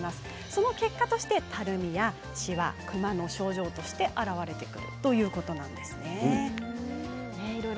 その結果として、たるみやしわくまなどの症状として表れてくるということなんですね。